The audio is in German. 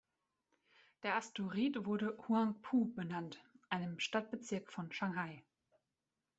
Der Asteroid wurde Huangpu benannt, einem Stadtbezirk von Shanghai.